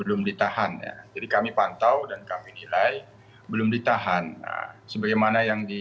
untuk tidak terjadi